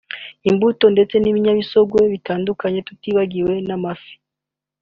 imbuto ndetse n’ibinyamisogwe bitandukannye tutibagiwe n’amafi